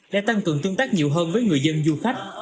để tăng cường tương tác nhiều hơn với người dân du khách